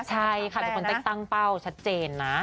ใช่ค่ะเป็นคนตั้งเป้าชัดเจนนะ